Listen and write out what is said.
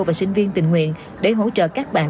và sinh viên tình nguyện để hỗ trợ các bạn